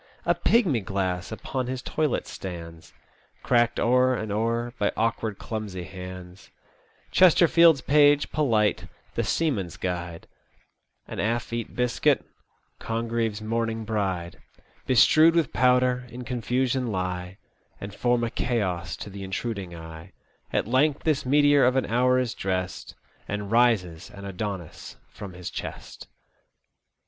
A pigmy glass upon his toilet stands, Cracked o'er and o*er by awkward, clumsy hanrls ; Chesterfield's page polite, *The Seaman's Guide,'' An half eat biscuit, Cong^eve's * Mourning Bride,' Bestrewed with powder, in confusion lie, And form a chaos to the intruding eye. At length this meteor of an hour is dressed, And rises an Adonis from his chest."